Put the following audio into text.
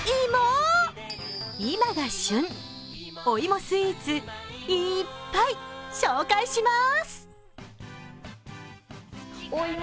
今が旬、お芋スイーツ、いっぱい紹介します。